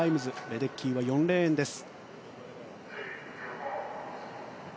レデッキーは４レーンです。